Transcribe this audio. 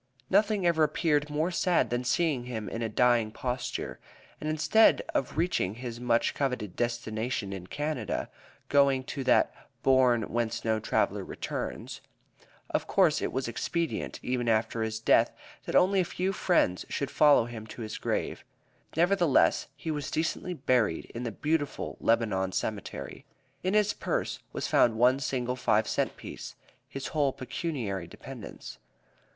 Nothing ever appeared more sad than seeing him in a dying posture, and instead of reaching his much coveted destination in Canada, going to that "bourne whence no traveler returns." Of course it was expedient, even after his death, that only a few friends should follow him to his grave. Nevertheless, he was decently buried in the beautiful Lebanon Cemetery. In his purse was found one single five cent piece, his whole pecuniary dependence.